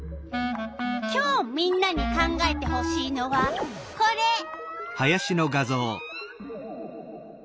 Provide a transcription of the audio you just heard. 今日みんなに考えてほしいのはこれ。